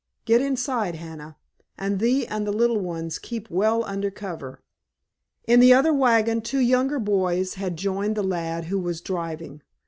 Get inside, Hannah, and thee and the little ones keep well under cover." In the other wagon two younger boys had joined the lad who was driving.